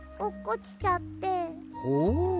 ほう。